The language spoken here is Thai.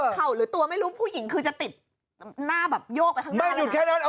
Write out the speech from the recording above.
เข่าหรือตัวไม่รู้ผู้หญิงคือจะติดหน้าแบบโยกไปข้างหน้าหลุดแค่นั้นเหรอ